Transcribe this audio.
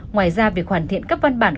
ngoài ra việc hoàn thiện các văn bản